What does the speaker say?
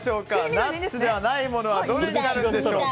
ナッツではないものはどれでしょうか。